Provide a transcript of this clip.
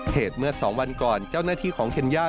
เหตุเมื่อ๒วันก่อนเจ้าหน้าที่ของเคนย่า